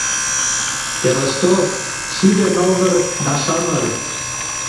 Пелыштоп — шӱдӧ нылдыр да шымыр.